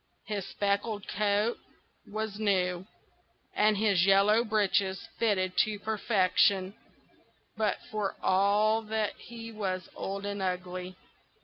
His speckled coat was new, and his yellow breeches fitted to perfection; but for all that he was old and ugly.